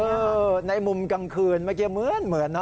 ในมุมกลางคืนเมื่อกี้เหมือนนะ